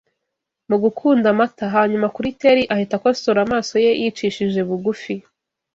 Mu gukunda amata: hanyuma kuri Teli ahita akosora amaso ye yicishije bugufi